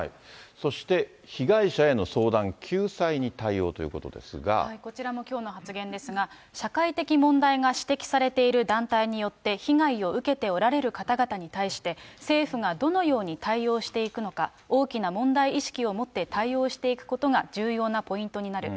そして、被害者への相談、こちらもきょうの発言ですが、社会的問題が指摘されている団体によって被害を受けておられる方々に対して、政府がどのように対応していくのか、大きな問題意識を持って対応していくことが重要なポイントになる。